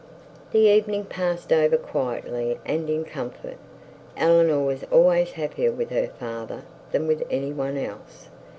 The evening passed over quietly and in comfort. Eleanor was always happier with her father than with any one else.